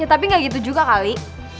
ya tapi gak gitu juga kali